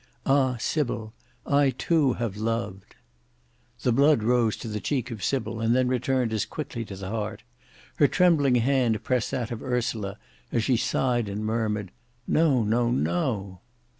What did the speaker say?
Ah! Sybil, I too have loved." The blood rose to the cheek of Sybil, and then returned as quickly to the heart; her trembling hand pressed that of Ursula as she sighed and murmured, "No, no, no."